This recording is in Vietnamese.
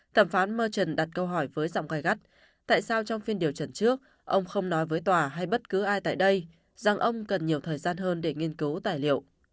thẩm phán merton đặt câu hỏi với dòng gai gắt tại sao trong phiên điều trần trước ông không nói với tòa hay bất cứ ai tại đây rằng ông cần nhiều thời gian hơn để nghiên cứu tài liệu